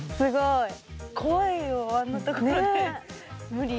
無理。